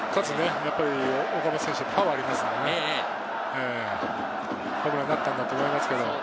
岡本選手は勝つパワーがありますから、ホームランになったんだと思います。